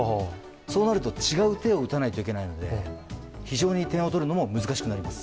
そうなると違う手を打たなきゃいけないので、非常に点を取るのも難しくなります。